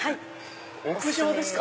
屋上ですか？